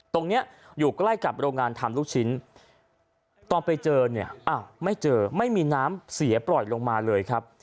ตรงนี้อยู่ใกล้กับโรงงานทำลูกชิ้นตอนไปเจอเนี่ยอ้าวไม่เจอไม่มีน้ำเสียปล่อยลงมาเลยครับ